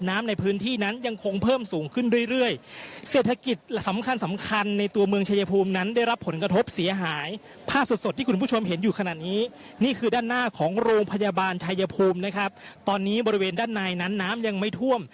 นี่คือด้านหน้าของโรงพยาบาลชายภูมินะครับตอนนี้บริเวณด้านในนั้นน้ำยังไม่ท่วม